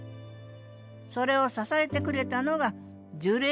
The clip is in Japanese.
それを支えてくれたのが樹齢